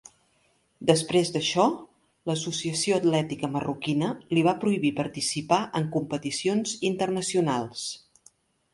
Després d'això, l'associació atlètica marroquina li va prohibir participar en competicions internacionals.